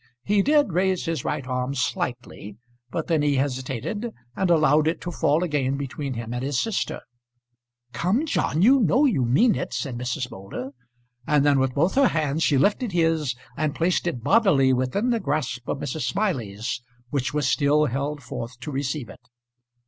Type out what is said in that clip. He did raise his right arm slightly; but then he hesitated, and allowed it to fall again between him and his sister. "Come, John, you know you mean it," said Mrs. Moulder. And then with both her hands she lifted his, and placed it bodily within the grasp of Mrs. Smiley's, which was still held forth to receive it.